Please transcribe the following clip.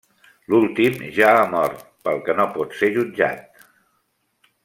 L'últim ja ha mort, pel que no pot ser jutjat.